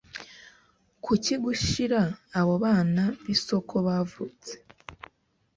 Kuki gushira abo bana bisoko bavutse